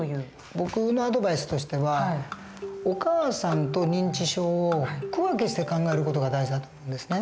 僕のアドバイスとしてはお母さんと認知症を区分けして考える事が大事だと思うんですね。